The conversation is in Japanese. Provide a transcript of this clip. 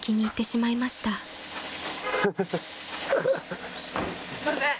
すいません！